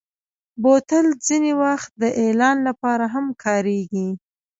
بوتل ځینې وخت د اعلان لپاره هم کارېږي.